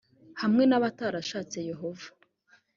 hamwe n’abatarashatse yehova